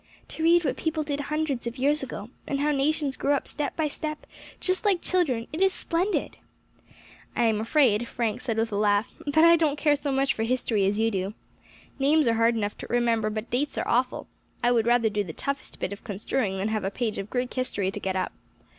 to read what people did hundreds of years ago, and how nations grew up step by step, just like children, it is splendid!" "I am afraid," Frank said, with a laugh, "that I don't care so much for history as you do. Names are hard enough to remember, but dates are awful; I would rather do the toughest bit of construing than have a page of Greek history to get up.